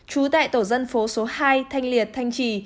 trú tại tổ dân phố số hai thanh liệt thanh trì